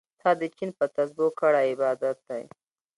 تا د چين په تسبو کړی عبادت دی